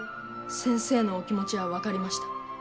先生のお気持ちは分かりました。